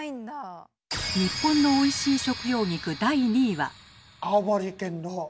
日本のおいしい食用菊第２位は。